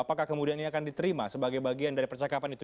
apakah kemudiannya akan diterima sebagai bagian dari percakapan itu